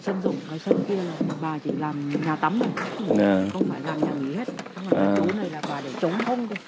không phải là chỗ này là quả để chống không